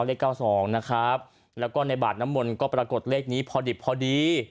เลขเก้าสองนะครับแล้วก็ในบาดน้ำมนต์ก็ปรากฏเลขนี้พอดิบพอดี